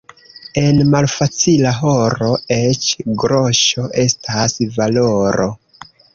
En malfacila horo eĉ groŝo estas valoro.